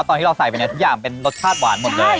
ตอนที่เราใส่ไปเนี่ยทุกอย่างเป็นรสชาติหวานหมดเลย